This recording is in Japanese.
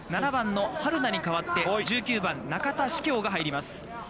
７番の春名に代わって、１９番の中田偲響が入ります。